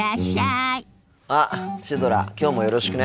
あっシュドラきょうもよろしくね。